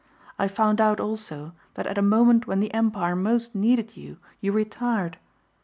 I found out also that at a moment when the Empire most needed you you retired.